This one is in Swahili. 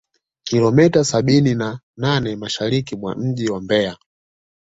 kilomita sabini na nane Mashariki mwa mji wa Mbeya